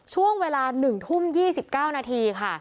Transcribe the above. ช่วงเวลา๑ทุ่ม๒๙นาทีค่ะ